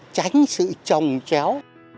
tránh sự trồng chéo